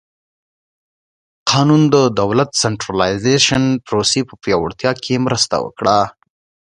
قانون د دولت د سنټرالیزېشن پروسې په پیاوړتیا کې مرسته وکړه.